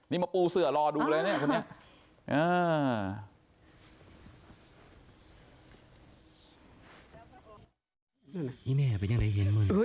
นี่มาปูเสื้อรอดูเลยเนี่ยคุณเนี่ย